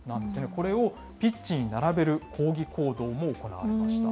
これをピッチに並べる抗議行動も行われました。